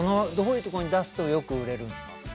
どういうところに出すとよく売れるんですか？